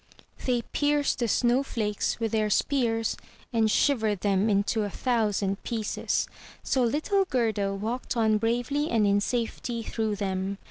They pierced the snow flakes with their spears, and shivered them 321 MY BOOK HOUSE into a thousand pieces; so little Gerda walked on bravely and in safety through them.